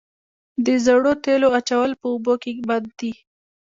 د زړو تیلو اچول په اوبو کې بد دي؟